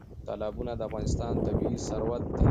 تالابونه د افغانستان طبعي ثروت دی.